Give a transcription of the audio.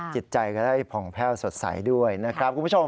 จิตใจก็ได้ผ่องแพ่วสดใสด้วยนะครับคุณผู้ชม